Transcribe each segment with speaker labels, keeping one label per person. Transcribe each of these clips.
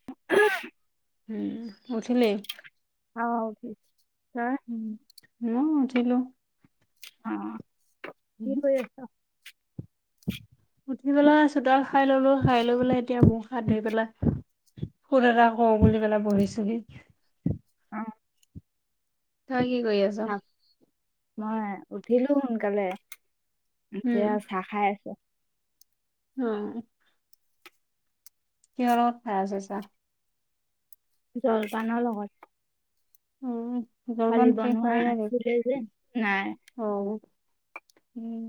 Speaker 1: [unintelligible]
Speaker 2: উম উঠিলি।
Speaker 1: অ' তয়
Speaker 2: মো উঠিলো।
Speaker 1: অ কি কৰি আছা?
Speaker 2: উঠি পেলাই চোতাল খাই ললোঁ খাই লৈ পেলাই এতিয়া মুখ হাত ধুই পেলাই। ফুন এটা কওঁ বুলি পেলায় বহিছোহি।
Speaker 1: অ
Speaker 2: তই কি কৰি আছা?
Speaker 1: চাহ মই উঠিলো সোনকালে,
Speaker 2: উম,
Speaker 1: এতিয়া চাহ খাই আছো।
Speaker 2: অ' কিহৰ লগত খাই আছা ছাহ।
Speaker 1: জলপানৰ লগত।
Speaker 2: উম,
Speaker 1: কালি
Speaker 2: জোলপান শেষ
Speaker 1: বনোৱা
Speaker 2: হোৱাই নেকি
Speaker 1: আছিলে যে নাই
Speaker 2: অ'। উম।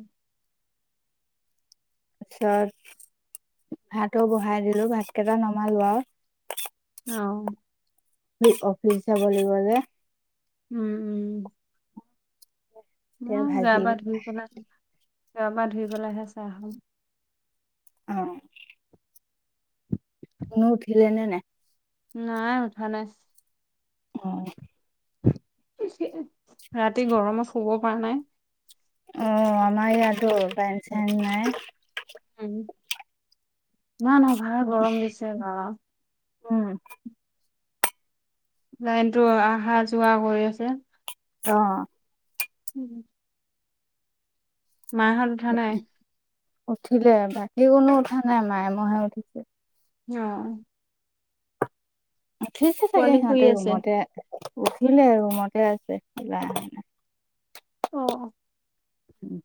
Speaker 1: তাৰ পিছত ভাতো বহাই দিলোঁ ভাত কেইটা নমালো আৰু।
Speaker 2: অ'।
Speaker 1: আজি অফিচ যাব লাগিব যে।
Speaker 2: উম, উম।
Speaker 1: এতিয়া
Speaker 2: মই গা
Speaker 1: ভাজি
Speaker 2: পা ধুই পেলাই গা পা ধুই পেলাইহে চাহ খাম।
Speaker 1: অ'। কুম উঠিলে নে নাই?
Speaker 2: নাই উঠা নাই।
Speaker 1: অ'
Speaker 2: ৰাতি গৰমত শুব পৰা নাই।
Speaker 1: অহ' আমাৰ ইয়াটো কাৰেণ্ট, চাৰেন্ত
Speaker 2: উম,
Speaker 1: নাই।
Speaker 2: ইমান অভাৰ গৰম দিছে বা।
Speaker 1: উম
Speaker 2: লাইনটো অহা যোৱা কৰি আছে।
Speaker 1: অ'।
Speaker 2: উম। মাইহত উঠা নাই?
Speaker 1: উঠিলে, বাকী কোনো উঠা নাই। মায়ে ময়েহে উঠিছোঁ।
Speaker 2: অ'।
Speaker 1: উঠিছে চাগে
Speaker 2: পোৱালি শুই
Speaker 1: সিহঁতে
Speaker 2: আছে।
Speaker 1: ৰুমতে উঠিলে ৰুমতে আছে। ওলাই আহা নাই।
Speaker 2: অ'।
Speaker 1: উম।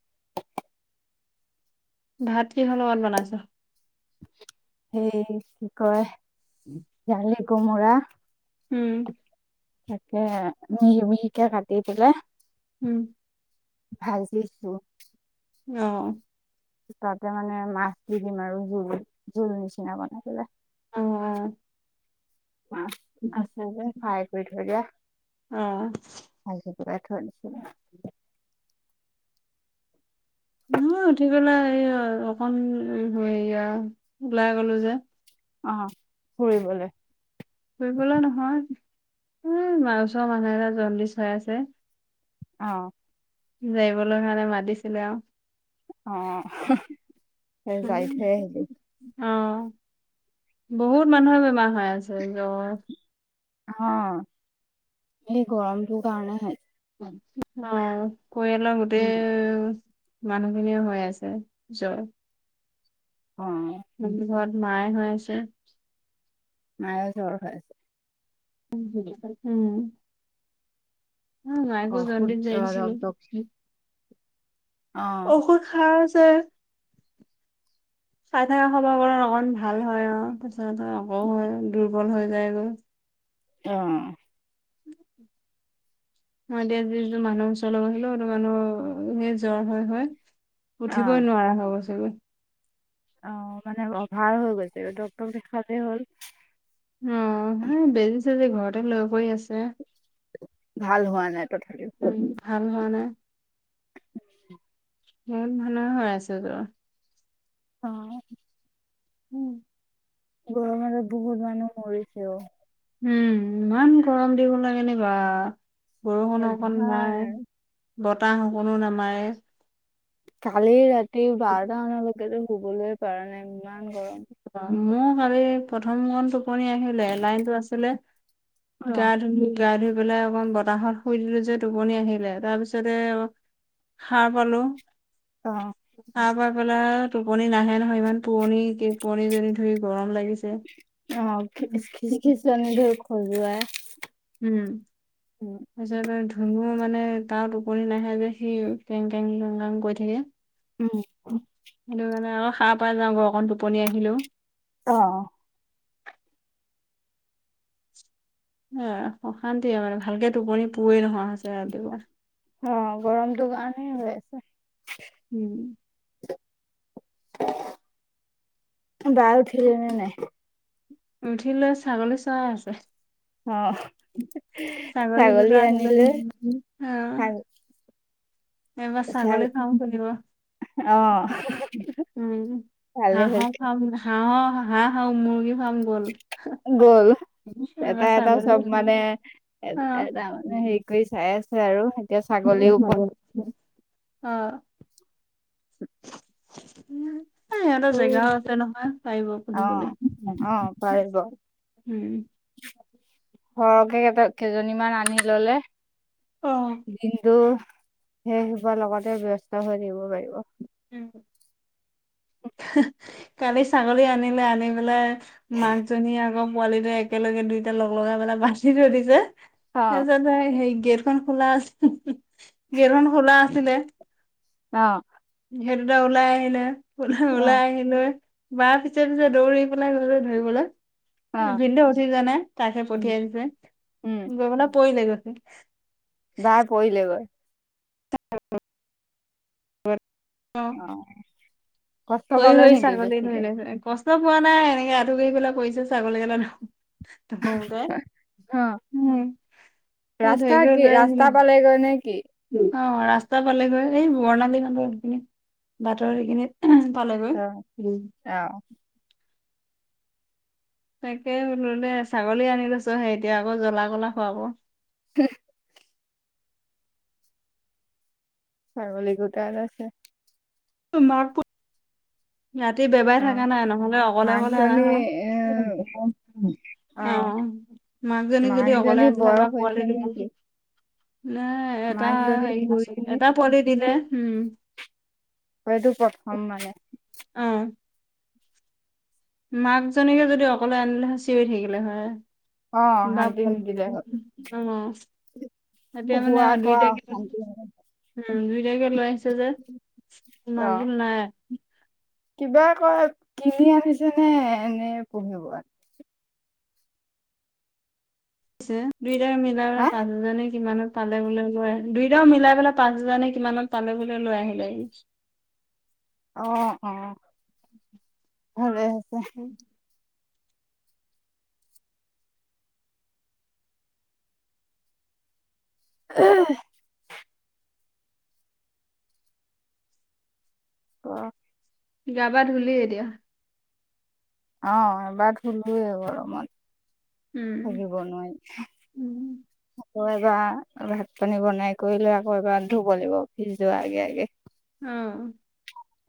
Speaker 2: ভাত কিহৰ লগত বনাইছো?
Speaker 1: সেই কি কয় জালি কোমোৰা।
Speaker 2: উম।
Speaker 1: তাকে, মিহি, মিহি কে কাটি পেলাই।
Speaker 2: উম।
Speaker 1: ভাঁজি কৰি।
Speaker 2: অহ।
Speaker 1: তাতে মানে মাছ দি দিম আৰু জোল জোল নিচিনা বনাই পেলে।
Speaker 2: অ'।
Speaker 1: মাছ আছে যে ফ্ৰাই কৰি থৈ দিয়া
Speaker 2: অ অ
Speaker 1: ভাঁজি। [unintelligible] থৈ দিছিলোঁ।
Speaker 2: মইও উঠি পেলে এই অকন হেইয়া ওলাই গ'লো যে।
Speaker 1: অ, ফুৰিবলে।
Speaker 2: ফুৰিবলৈ নহয়। উম, আমাৰ ওচৰৰ মানুহ এটা জণ্ডিচ হৈ আছে।
Speaker 1: অহ।
Speaker 2: জৰিবলে কাৰণে মাতিছিলে আৰু।
Speaker 1: অ, সেই জাৰি থৈ আহিলো।
Speaker 2: অ, বহুত মানুহৰ বেমাৰ হৈ আছে জ্বৰ।
Speaker 1: অ, হেই গৰম তোৰ কাৰণে হে।
Speaker 2: অ, পৰিয়ালৰ গোতেই।
Speaker 1: উম
Speaker 2: মানুহখিনিয়ে হৈ আছে জ্বৰ।
Speaker 1: অ
Speaker 2: ঘৰত মায়ে হৈ আছে।
Speaker 1: মায়ে জ্বৰ হৈ আছে।
Speaker 2: উম। উম, মাকো
Speaker 1: ঔষধ
Speaker 2: জণ্ডিচ জৰিছিলো।
Speaker 1: ডক্তৰক অ
Speaker 2: ঔষুদ খাই। তাকে খাই থকা সময় অকন ভাল হয়, অ'। ত, আকৌ হয় দুৰ্বল হৈ যায়গৈ।
Speaker 1: অ'।
Speaker 2: [inaudible] এতিয়া যি যিটো মানুহৰ ওচৰলৈ আহিলো, সেইটো মানুহ এ, জ্বৰ হয় হয়।
Speaker 1: অ
Speaker 2: উঠিবই নোৱাৰা হ' গৈ চাগৈ।
Speaker 1: অ, মানে অভাৰ হৈ গৈছে, ডাক্তৰ দেখালেই হ'ল।
Speaker 2: যে ঘৰতে লগ কৰি আছে।
Speaker 1: ভাল হোৱা নাই তথাপিও
Speaker 2: ভাল মানে।
Speaker 1: উ।
Speaker 2: ই, মে, হৈ, আছে ত।
Speaker 1: অ'।
Speaker 2: উম।
Speaker 1: গৰ মা বহুত মানহ মৰিছে অ'।
Speaker 2: উম, ইমান গৰম দিব ল কেনেিবা বৰষুণ অকণ
Speaker 1: অভাৰ
Speaker 2: নাই। বতাহ সকোনো নামাৰে।
Speaker 1: কালি ৰাতি বাৰটা মানলৈকেতো শুবলৈ পৰা নাই ইমান গৰম।
Speaker 2: মোৰ ভাবি প্ৰথম গণটো টোপনি আহিলে, লাইনতটো আছিলে গা,
Speaker 1: অ',
Speaker 2: ধ, গা, ধু পেলাই অকণ বতাহত শুই দিলো যে টোপনি আহিলে তাৰ পিছতে হা, বো
Speaker 1: অ'।
Speaker 2: চাহ পাই, পেলাই টোপনি নাহে নহয় ইমান পুৰণি পণীজনী ধুই গৰম লাগিছে।
Speaker 1: অ, খ, খিচ নি, ধৰ খজুৱা।
Speaker 2: উম, আচ কাৰণ মাৰ মানে তাত ওপনি নাহে যে সি টেং, টেং, টেং, কৰি থাকে।
Speaker 1: উম।
Speaker 2: সেইটো কাৰণে আকৌ খাৰ পাই যাওঁ ঘৰক টোপনি আহিলোও
Speaker 1: অ'।
Speaker 2: অ অশান্তিয়ে মানে, ভালকে টোপনি নোহোৱা হৈছে ৰাতিপুৱা।
Speaker 1: অ' গৰমটো [inaudible]
Speaker 2: উম।
Speaker 1: বাই উঠিল নে নাই?
Speaker 2: উঠিলৈ ছাগলী চৰাই আছে।
Speaker 1: অ। ছাগলী আনিলে।
Speaker 2: অ'
Speaker 1: ছাগ
Speaker 2: এইবাৰ
Speaker 1: ছাগ
Speaker 2: ছাগলী ফাৰ্ম খুলিব।
Speaker 1: অ'
Speaker 2: উম
Speaker 1: ভালে
Speaker 2: হাঁহৰ
Speaker 1: হৈছে
Speaker 2: ফাৰ্ম হাঁহ হাঁহ আৰু মুৰ্গী ফাৰ্ম গ'ল।
Speaker 1: গ'ল এটা
Speaker 2: এইবাৰ
Speaker 1: এটা
Speaker 2: ছাগলী
Speaker 1: চব
Speaker 2: অ'।
Speaker 1: মানে এ এটা মানে হেৰি কৰি চাই চাই আছে আৰু। এতিয়া ছাগলীৰ ওপৰত
Speaker 2: [unintelligible] অ। [unintelligible] সিহঁতৰ
Speaker 1: উম।
Speaker 2: জেগাও আছে নহয় পাৰিব
Speaker 1: অ
Speaker 2: খুলিবলে।
Speaker 1: অ পাৰিব
Speaker 2: উম।
Speaker 1: সৰহকে কেইটা কেইজনীমান আনি ললে দিনটো সেইসোপাৰ লগতে ব্যস্ত হৈ থিব পাৰিব।
Speaker 2: অ'। কালি ছাগলী আনিলে আনি পেলাই মাকজনী আকৌ পোৱালিটোৱে একেলগে দুইটা লগাই পেলাই বান্ধি থৈ দিছে। তাৰপিছত সেই হেৰি গেট খন খোলা আছিল [unintelligible] খন খোলা আছিলে।
Speaker 1: অহ।
Speaker 2: সেই দুটা ওলাই আহিলে,
Speaker 1: অ
Speaker 2: ওলাই আহিলৈ বা পিছে পিছে দৌৰি পেলাই গ'ল ধৰিবলৈ।
Speaker 1: অ
Speaker 2: ভিনদেও উঠি যোৱা নাই, তাকহে
Speaker 1: উম
Speaker 2: পঠিয়াই দিছে,
Speaker 1: উম
Speaker 2: গৈ পেলাই পৰিলে গৈছে।
Speaker 1: বাই পৰিলে গৈ?
Speaker 2: [unintelligible] অ
Speaker 1: কষ্ট পালে
Speaker 2: পৰি-হৰি
Speaker 1: নেকি
Speaker 2: ছাগলী
Speaker 1: বেছিকে
Speaker 2: ধৰিলে কষ্ট পোৱা নাই এনেক আঠু কৰি পেলাই পৰিছে ছাগলীকেটা
Speaker 1: অ
Speaker 2: [unintelligible] উম ধৰি
Speaker 1: ৰাস্তা
Speaker 2: কৰি
Speaker 1: কি,
Speaker 2: লৈ আহিলে
Speaker 1: ৰাস্তা পালেগৈ নে কি?
Speaker 2: অ ৰাস্তা পালেগৈ, এই বৰ্ণালীহঁতৰ সেইখিনিত বাটৰ সেইখিনিত। পালেগৈ।
Speaker 1: অ অ
Speaker 2: তাকেই বোলো দেই ছাগলী আনি লৈছোহে এতিয়া আকৌ জ্বলা-গোলা খোৱাব।
Speaker 1: [unintelligible] ছাগলী গোটেই লৈছে।
Speaker 2: [unintelligible] ৰাতি বেবাই
Speaker 1: অ
Speaker 2: থকা নাই, নহলে অকলে অকলে অনা
Speaker 1: মাকজনী এ
Speaker 2: হ'লে। অ মাকজনী যদি অকলে আনিলে হৈ বা
Speaker 1: বয়স
Speaker 2: পোৱালি
Speaker 1: হৈছে নেকি
Speaker 2: দুজনী ন এটা
Speaker 1: মাকজনী
Speaker 2: হেৰি আছে,
Speaker 1: বুঢ়ী নে
Speaker 2: এটা পোৱলি দিলে। হম।
Speaker 1: হয়টো প্ৰথম মানে।
Speaker 2: অহ। মাক জনীকে যদি অকলে আনিলে হৈ চিঞৰি থাকিলে হয়।
Speaker 1: অ
Speaker 2: বা
Speaker 1: শান্তি
Speaker 2: পোৱালি
Speaker 1: নিদিলে
Speaker 2: দুজনী।
Speaker 1: হ'ল
Speaker 2: অহ। এতিয়া মানে
Speaker 1: হোৱা কৰা
Speaker 2: দুইটাকে
Speaker 1: অশান্তি হয়
Speaker 2: উম দুইটাকে লৈ আহিছে যে,
Speaker 1: অ
Speaker 2: মাতবল নাই।
Speaker 1: কিবা কয় কিনি আনিছে নে এনে পুহিব?
Speaker 2: ছে দুইটাৰ
Speaker 1: হা
Speaker 2: মিলাই পাঁচ হেজাৰ নে কিমানত পালে বোলে লৈ দুইটাও মিলাই পেলাই পাঁচ হেজাৰ নে কিমানত পালে বোলে লৈ আহিলে আহিলে। [inaudible]
Speaker 1: অ', [unintelligible]
Speaker 2: [unintelligible]
Speaker 1: [unintelligible] অ',
Speaker 2: গাবা ধলি এতিয়া?
Speaker 1: অ', এবাৰ ধুলোৱেই গৰমত।
Speaker 2: উম,
Speaker 1: [unintelligible] বন নি আকৌ এবাৰ ভাত পানী বনাই কৰি লৈ আকৌ এবাৰ ধুব লাগিব অফিচ জোৱাৰ আগে আগে।
Speaker 2: অ',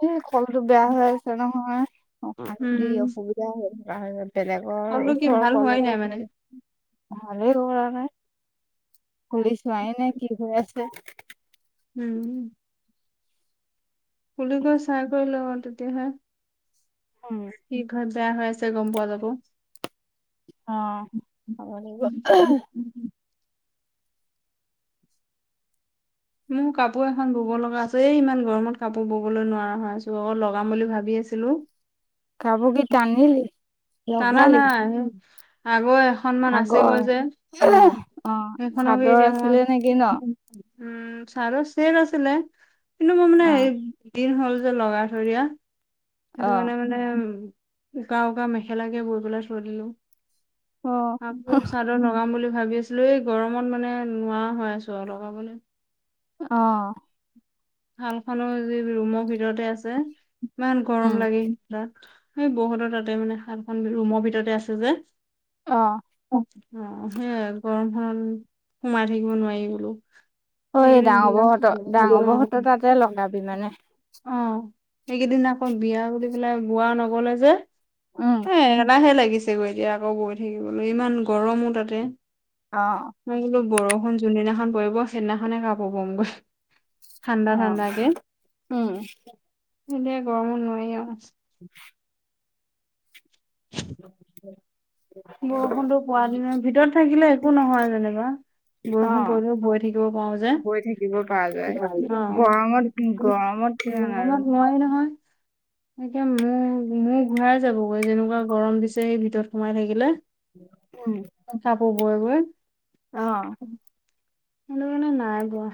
Speaker 1: এই কলটো বেয়া হৈ আছে নহয় অশান্তি
Speaker 2: উম,
Speaker 1: অসুবিধা হৈ বেলেগৰ
Speaker 2: কলো কি
Speaker 1: ওচৰৰ
Speaker 2: ভাল হোৱাই
Speaker 1: কলতে
Speaker 2: নাই মানে।
Speaker 1: [unintelligible] ভালেই কৱা নাই খুলি চোৱাই নাই কি হৈ আছে।
Speaker 2: উম, কুলি গছ চাহ গ লওঁ তেতিয়াহে।
Speaker 1: উম
Speaker 2: কি হয় বেয়া হৈ আছে গম পোৱা যাব।
Speaker 1: অ', 'ব লাগিব।
Speaker 2: মোৰ কাপোৰ এখন বব লগা আছে এ ইমান গৰমত কাপোৰ ববলৈ নোৱাৰা হয় আছ অকৌ লগাম বুলি ভাবি আ ছিলো
Speaker 1: কাব কি তানিলি?
Speaker 2: তানা নাই আগৌ এখনন মান
Speaker 1: আগৰ
Speaker 2: আছেগৈ যে অ
Speaker 1: অ
Speaker 2: সেইখনকে
Speaker 1: চাদৰ
Speaker 2: এতিয়া মই
Speaker 1: আছিলে নেকি ন
Speaker 2: উম ছাৰ চেট আছিলে কিন্তু মই মানে
Speaker 1: অ
Speaker 2: হদিন হ'ল লগাই থৰিা সেইটো
Speaker 1: অ
Speaker 2: কাৰানে মানে উ উকা উকা মেখি খেলাকে বৈ পেলাই চোৱ দিলো
Speaker 1: অ
Speaker 2: আ চাদৰ লগাম বুলি ভাবি আছিলো এই গৰমত মানে নোৱাৰোৱা হৈ আছোঁ লগাবলৈ
Speaker 1: আহ,
Speaker 2: হাল খো যি ৰুমৰ ভিতৰতে আছে ইমান গৰম
Speaker 1: উম
Speaker 2: লাগি সেই বহুতৰ তাতে মানে সাতখন ৰুমৰ ভিতৰতে আছে যে
Speaker 1: আহ,
Speaker 2: অ সেইয়াই গৰমখনত সোমাই থাকিব নোৱাৰি বোলো
Speaker 1: অ,
Speaker 2: সেইকেইদিন
Speaker 1: ডাঙৰ বহতৰ ডাঙৰ
Speaker 2: বিৰাট অ
Speaker 1: বহত তাতে লগাবি মানে
Speaker 2: অ', সেইকেইদিন আকৌ বিয়া কৰি পেলাই বোৱা নগলে যে
Speaker 1: উম
Speaker 2: এ এ লাহে লাগিছেগৈ এতিয়া আকৌ গৈ থাকিবলৈ ইমান গৰমো তাতে
Speaker 1: অ,
Speaker 2: মই বোলো বৰষুণ যোনদিনাখন পৰিব সেইদিনাখনে গাহ পবগৈ ঠাণ্ডা
Speaker 1: অ
Speaker 2: ঠাণ্ডাকে
Speaker 1: উম
Speaker 2: এতিয়া গৰমো নোৱাৰি আৰু
Speaker 1: [inaudible]
Speaker 2: বৰষুণটো পোৱ দ ভিতৰত থাকিলে একো নহয় যেনেিবা
Speaker 1: অ
Speaker 2: বৰষুণ পৰিলেও ভয় থাকিব পাৰো
Speaker 1: বৈ থাকিব পৰা যায়
Speaker 2: যে
Speaker 1: গৰমত
Speaker 2: অ',
Speaker 1: গৰমত কিমান আৰু
Speaker 2: মনত ময় নহয় এতিয়া মোৰ মোৰ ঘূৰাই যাবগৈ যেনেকুৱা গৰম দিছে এই ভিতৰত সোমাই থাকিলে চাপ ব বই
Speaker 1: আহ,
Speaker 2: সটো কাৰণে নাই পোৱা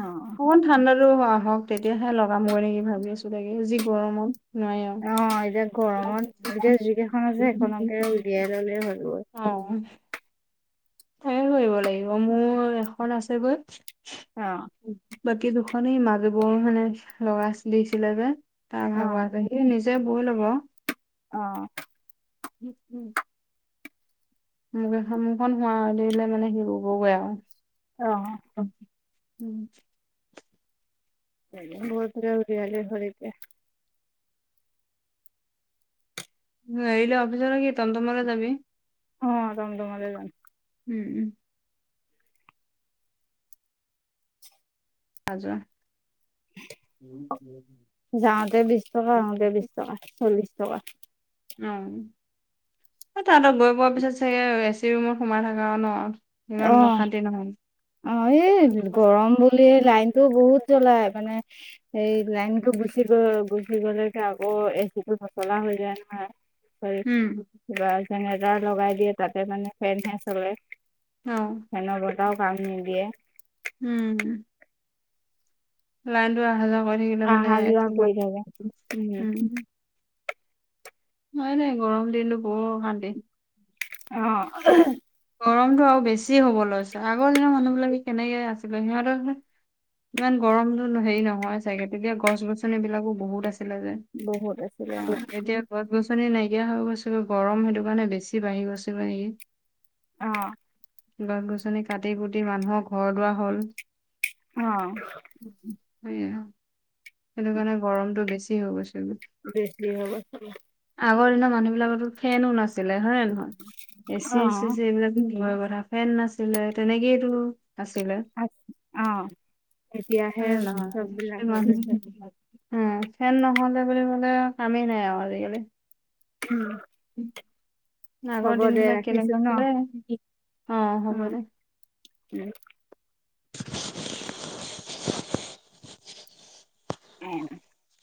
Speaker 1: অ
Speaker 2: অকমান ঠাণ্ডাতো হ হওক তেতিয়াহে লগামগৈ নেকি ভাবি আছো লাগে যি গৰমত নয়
Speaker 1: অ এতিয়া গৰমত এতিয়া যিকেইখন আছে সেইখনকে উলিয়াই ললে হৈ গ'ল
Speaker 2: অ', তাকে কৰিব লাগিব মোৰ এখন আছে গৈ
Speaker 1: অ',।
Speaker 2: বাকী দুখনেই মাজু বৌৰ মানে লগৰা দিছিলে যে তাৰ
Speaker 1: অ
Speaker 2: ভাগৰ সিনি যে ভুল হ'ব।
Speaker 1: অ',।
Speaker 2: উম, উম। মোকে মুখখন হুৱ দিলে মানে হেবগৈ আৰু
Speaker 1: অহ।
Speaker 2: উম।
Speaker 1: বত [unintelligible]
Speaker 2: গাড়ীলৈ অফিচৰ কি টম টমালৈ যাবি
Speaker 1: অ', টম টমতে যাম।
Speaker 2: উম, উম। হাজ [unintelligible]
Speaker 1: যাওতে বিশ টকা আহোতে বিশ টকা চল্লিশ টকা। [inaudible]
Speaker 2: উ তাহত গৈ পোৱাৰ পিছত চাগে এচি ৰুমত সোমাই থকা ন। ইমান
Speaker 1: অ',
Speaker 2: অশান্তি নহয়
Speaker 1: অ', এই গৰম বুলিয় লাইন টো বহুত জলাই মানে এই লাইনতটো গুচি গ গুচি গ'লেকে আকৌ এচি নচলা হৈ যায় নহয়।
Speaker 2: উম
Speaker 1: কিব জেনেৰেটাৰ লগাই দিয়ে তাতে মানে ফেনে চলে।
Speaker 2: উম।
Speaker 1: ও কাম নিদিয়ে।
Speaker 2: উম। লাইনটো অহা যোৱা কৰি থাকিলে মানে
Speaker 1: অহা যোৱা কৰি থাকে উম
Speaker 2: উ নাই নাই গৰম দিনটো বৰ অসান্তি।
Speaker 1: অ'হ।
Speaker 2: গৰমতটো আৰু বেছি হ'ব লৈছে আগৰ দিনৰ মানুহবিলাকে কেনেকে আছিলে সিহঁতৰ ইমান গৰমতো হেৰি নহয় চাগে তেতিয়া গছ গছনি বিলাকো বহুত আছে যে
Speaker 1: বহুত আছিলে অ
Speaker 2: এতিয়া কত বু নাইকিয়া হৈ গৈছে গৰম সেইটো কাৰণে বেছি বাঢ়ি গৈছেগৈ নেকি
Speaker 1: অ',।
Speaker 2: গছ গছনি কাটি কুটি মানুহৰ ঘৰ দুৱাৰ হল।
Speaker 1: অ',।
Speaker 2: স সেইটো কাৰণে গৰমতটো বেছি হৈ গৈছে।
Speaker 1: বেছি হ'ল।
Speaker 2: আগৰ দিনৰ মানুহ বিলাকতো ফেনো নাছিলে হয়ে নহয় এ
Speaker 1: অ
Speaker 2: চি চি চি এইবিলাকয় ধৰা ফেন নাছিলে তেনেকেইতো আছিলে
Speaker 1: অ এতিয়াহে
Speaker 2: হয় না
Speaker 1: চববিলাক হ'ল হৈছে।
Speaker 2: নহয়। উম, ফেন নহ'লে বুলি কলে কামেই নাই আৰু আজিকালি
Speaker 1: [inaudible]
Speaker 2: আগৰ
Speaker 1: হ'ব
Speaker 2: দিন
Speaker 1: দে
Speaker 2: বিলাক
Speaker 1: ৰাখিছো
Speaker 2: কেনেকুৱা
Speaker 1: ন?
Speaker 2: আছিলে অ', হ'ব দে।
Speaker 1: উম। [inaudible]